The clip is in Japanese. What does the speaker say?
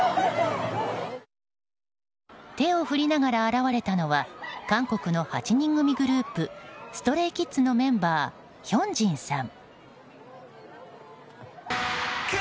手を振りながら現れたのは韓国の８人組グループＳｔｒａｙＫｉｄｓのメンバーヒョンジンさん。